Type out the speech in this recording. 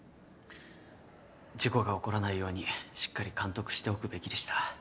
事故が起こらないようにしっかり監督しておくべきでした。